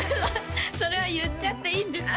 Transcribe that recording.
それは言っちゃっていいんですか？